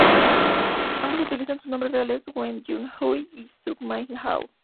Ambos utilizando sus nombres reales, Wen Jun Hui y Xu Ming Hao.